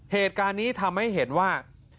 เหตุการณ์นี้ทำให้เห็นว่า